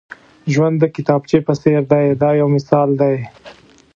ژوند د کتابچې په څېر دی دا یو مثال دی.